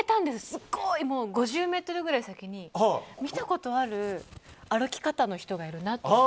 すごい５０ｍくらい先に見たことある歩き方の人がいるなって。